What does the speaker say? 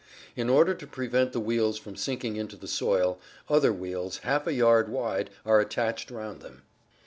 In order to prevent the wheels from sinking into the soil, other wheels, half a yard wide, are attached round them.